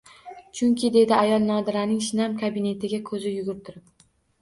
Chunki, dedi ayol Nodiraning shinam kabinetiga ko`z yugurtirib